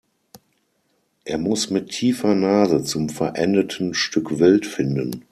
Er muss mit tiefer Nase zum verendeten Stück Wild finden.